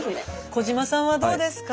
児嶋さんはどうですか？